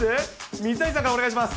水谷さんからお願いします。